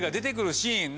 シーン